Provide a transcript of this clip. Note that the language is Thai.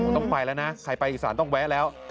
ต้องไปแล้วนะใครไปอีสานต้องแวะแล้ว